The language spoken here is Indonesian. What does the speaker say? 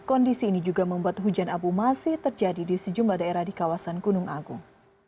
kondisi ini juga membuat hujan abu masih terjadi di sejumlah daerah di kawasan gunung agung